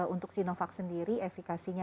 untuk sinovac sendiri efekasinya